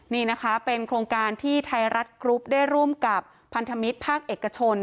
นี่นะคะเป็นโครงการที่ไทยรัฐกรุ๊ปได้ร่วมกับพันธมิตรภาคเอกชน